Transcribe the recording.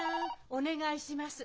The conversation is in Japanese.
お願いします。